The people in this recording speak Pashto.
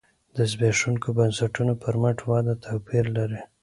د زبېښونکو بنسټونو پر مټ وده توپیر لري.